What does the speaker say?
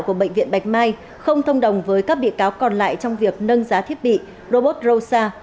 của bệnh viện bạch mai không thông đồng với các bị cáo còn lại trong việc nâng giá thiết bị robot rosa